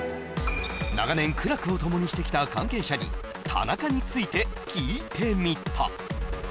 長年苦楽を共にしてきた関係者に田中について聞いてみた